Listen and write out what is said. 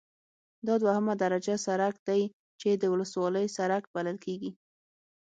دا دوهمه درجه سرک دی چې د ولسوالۍ سرک بلل کیږي